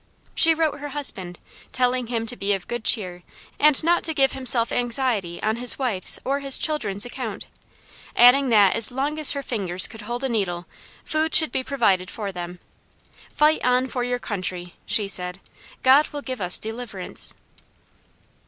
She wrote her husband, telling him to be of good cheer, and not to give himself anxiety on his wife's or his children's account, adding that as long as her fingers could hold a needle, food should be provided for them. "Fight on for your country," she said; "God will give us deliverance."